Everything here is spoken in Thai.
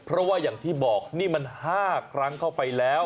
เพราะว่าอย่างที่บอกนี่มัน๕ครั้งเข้าไปแล้ว